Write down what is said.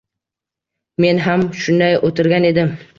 Men ham shunday o’tirgan edim.